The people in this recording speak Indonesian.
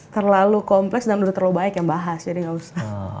terlalu kompleks dan udah terlalu baik yang bahas jadi gak usah